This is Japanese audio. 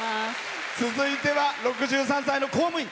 続いては６３歳の公務員。